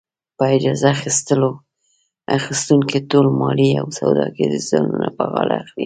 په اجاره اخیستونکی ټول مالي او سوداګریز زیانونه په غاړه اخلي.